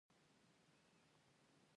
دوی ساسانیانو ته ماتې ورکړه